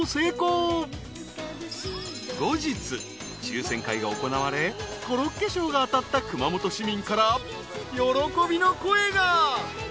［後日抽選会が行われコロッケ賞が当たった熊本市民から喜びの声が］